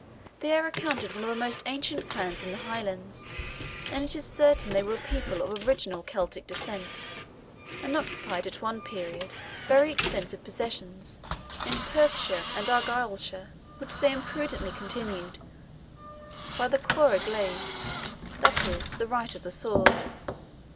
They are accounted one of the most ancient clans in the Highlands, and it is certain they were a people of original Celtic descent, and occupied at one period very extensive possessions in Perthshire and Argyleshire, which they imprudently continued to hold by the coir a glaive, that is, the right of the sword.